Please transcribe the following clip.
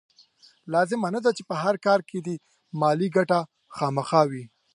لازمه نه ده چې په هر کار کې دې مالي ګټه خامخا وي.